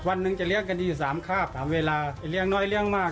วันหนึ่งจะเลี้ยงกันอยู่สามคาบสามเวลาจะเลี้ยงน้อยเลี้ยงมาก